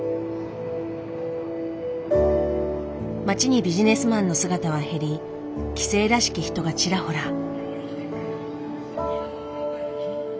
街にビジネスマンの姿は減り帰省らしき人がちらほら。